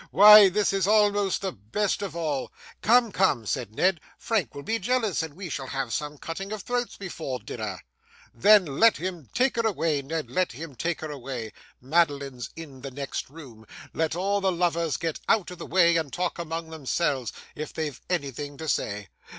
Why, this is almost the best of all!' 'Come, come,' said Ned, 'Frank will be jealous, and we shall have some cutting of throats before dinner.' 'Then let him take her away, Ned, let him take her away. Madeline's in the next room. Let all the lovers get out of the way, and talk among themselves, if they've anything to say.